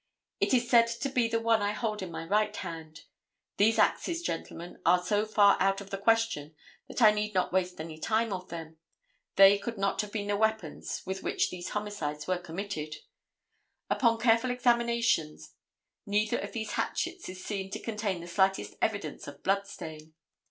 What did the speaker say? It is said to be the one I hold in my right hand. These axes, gentlemen, are so far out of the question that I need not waste any time on them. They could not have been the weapons with which these homicides were committed. Upon careful examination neither of these hatchets is seen to contain the slightest evidence of blood stain.